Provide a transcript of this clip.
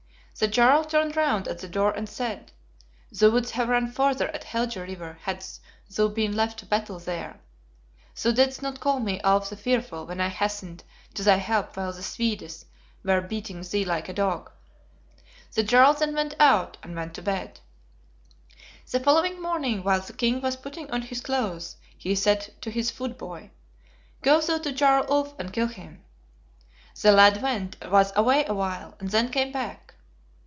The Jarl turned round at the door and said, 'Thou wouldst have run farther at Helge river hadst thou been left to battle there. Thou didst not call me Ulf the Fearful when I hastened to thy help while the Swedes were beating thee like a dog.' The Jarl then went out, and went to bed. "The following morning, while the King was putting on his clothes, he said to his footboy, 'Go thou to Jarl Ulf and kill him.' The lad went, was away a while, and then came back.